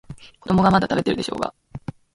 子供がまだ食べてるでしょうが。